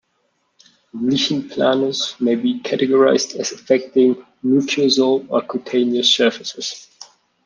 Lichen planus may be categorized as affecting mucosal or cutaneous surfaces.